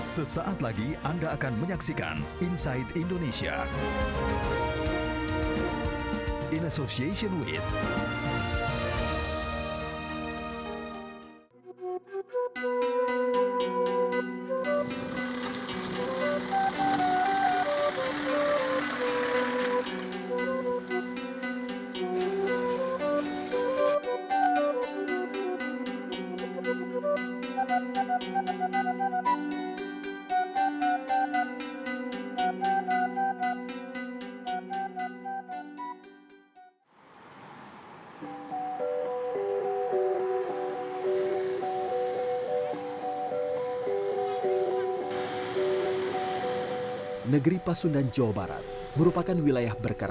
sesaat lagi anda akan menyaksikan inside indonesia